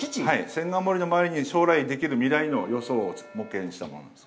千貫森の前に将来できる未来の予想を模型にしたものです。